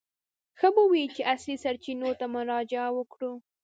ښه به وي چې اصلي سرچینو ته مراجعه وکړو.